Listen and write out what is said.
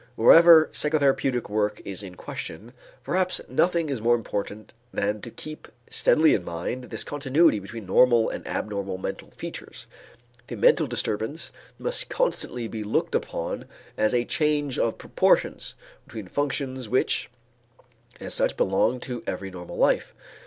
Wherever psychotherapeutic work is in question, perhaps nothing is more important than to keep steadily in mind this continuity between normal and abnormal mental features. The mental disturbance must constantly be looked upon as a change of proportions between functions which, as such, belong to every normal life.